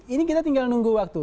ini kita tinggal nunggu waktu